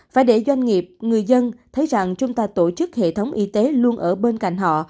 phải để doanh nghiệp người dân thấy rằng chúng ta tổ chức hệ thống y tế luôn ở bên cạnh họ